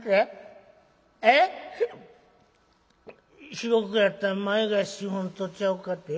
『四六やったら前が４本とちゃうか』て？